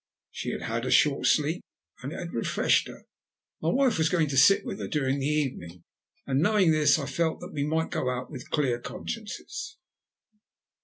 She had had a short sleep, and it had refreshed her. My wife was going to sit with her during the evening, and knowing this, I felt that we might go out with clear consciences.